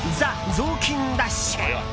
雑巾ダッシュ！